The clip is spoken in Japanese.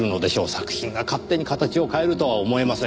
作品が勝手に形を変えるとは思えません。